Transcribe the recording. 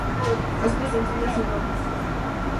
Bosques de encinas y robles.